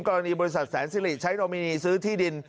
กรณีบริษัทแสนสิริใช้โนมินีซื้อที่ดิน